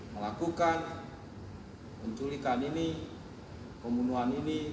melakukan penculikan ini pembunuhan ini